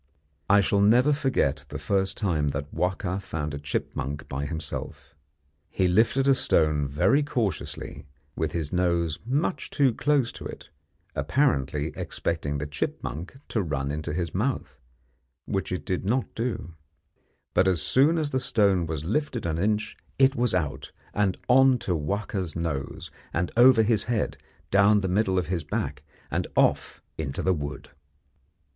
I shall never forget the first time that Wahka found a chipmunk by himself. He lifted a stone very cautiously, with his nose much too close to it, apparently expecting the chipmunk to run into his mouth, which it did not do; but as soon as the stone was lifted an inch it was out and on to Wahka's nose, and over his head, down the middle of his back, and off into the wood.